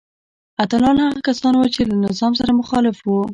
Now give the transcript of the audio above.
اتلان هغه کسان وو چې له نظام سره مخالف وو.